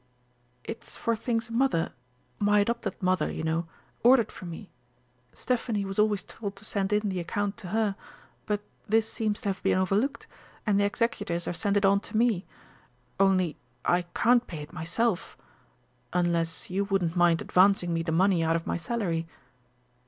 "It's for things Mother my adopted mother, you know ordered for me. Stéphanie was always told to send in the account to her. But this seems to have been overlooked, and the executors have sent it on to me. Only I can't pay it myself unless you wouldn't mind advancing me the money out of my salary."